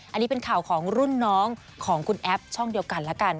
อันนี้เป็นข่าวของรุ่นน้องของคุณแอปช่องเดียวกันแล้วกัน